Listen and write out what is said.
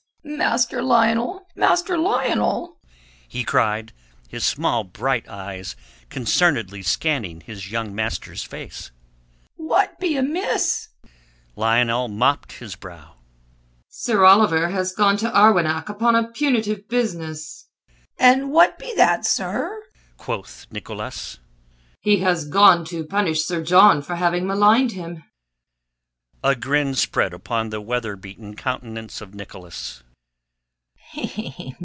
"Master Lionel! Master Lionel!" he cried, his small bright eyes concernedly scanning his young master's face. "What be amiss?" Lionel mopped his brow. "Sir Oliver has gone to Arwenack upon a punitive business," said he. "An' what be that, zur?" quoth Nicholas. "He has gone to punish Sir John for having maligned him." A grin spread upon the weather beaten countenance of Nicholas.